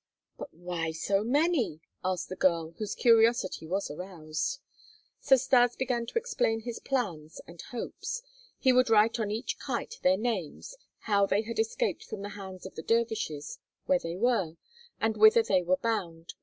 "But why so many?" asked the girl, whose curiosity was aroused. So Stas began to explain his plans and hopes. He would write on each kite their names, how they had escaped from the hands of the dervishes, where they were, and whither they were bound.